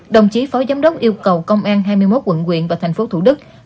đồng chí phó giám đốc yêu cầu công an hai mươi một quận quyện và tp hcm